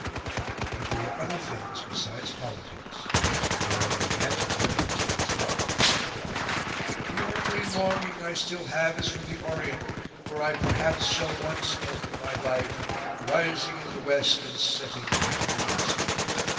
But there were other things besides politics, there were romantic yearnings in his heart. "The only longing I still have is for the Orient, where I perhaps shall once end my life, rising in the west and setting in the east."